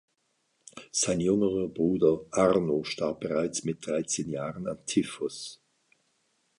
Sein jüngerer Bruder Arno starb bereits mit dreizehn Jahren an Typhus.